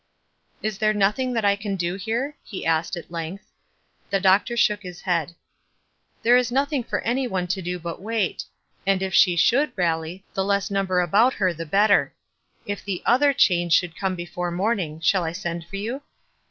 "Is there nothing that I can do here?" he asked, at length. The doctor shook his head. " There is nothing for any one to do but wait ; and if she should rally, the less number about her the better. If the other change should come before morning, shall I send for you?"